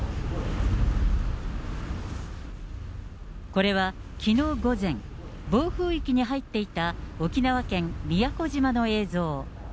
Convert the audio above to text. これはきのう午前、暴風域に入っていた沖縄県宮古島の映像。